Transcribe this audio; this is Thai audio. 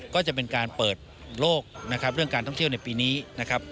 ก็จะเป็นการเปิดโลกนะครับเรื่องการท่องเที่ยวในปีนี้นะครับ